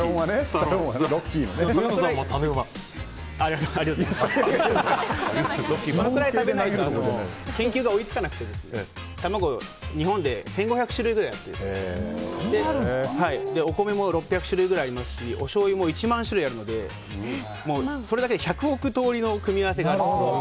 それくらい食べないと卵は日本で１５００種類ぐらいあってお米も６００種類ぐらいありますしおしょうゆも１万種類あるのでそれだけで１００億通りの組み合わせがある。